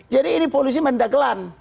jadi ini polisi mendagelan